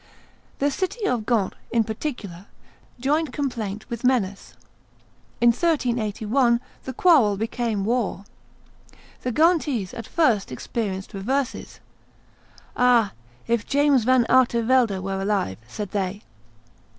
The city of Ghent, in particular, joined complaint with menace. In 1381 the quarrel became war. The Ghentese at first experienced reverses. "Ah! if James Van Artevelde were alive!" said they.